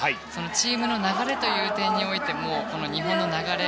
チームの流れという点においてもこの日本の流れ